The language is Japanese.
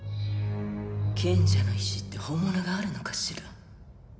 賢者の石って本物があるのかしら？